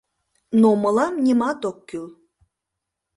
Но мылам нимат ок кӱл.